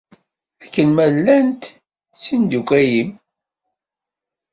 Akken ma llant d timeddukal-nnem?